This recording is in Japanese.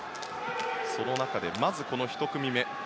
その中でまず、この１組目。